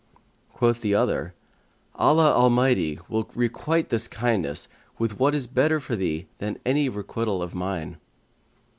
Quoth the other, "Allah Almighty will requite the kindness with what is better for thee than any requital of mine."